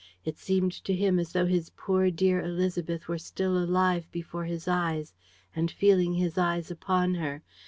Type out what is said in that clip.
It seemed to him as though his poor dear Élisabeth were still alive before his eyes and feeling his eyes upon her.